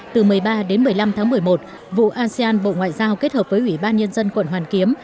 từ một mươi ba đến một mươi năm tháng một mươi một vụ asean bộ ngoại giao kết hợp với ủy ban nhân dân quận hoàn kiếm